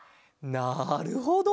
なるほど！